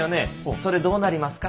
それどうなりますか？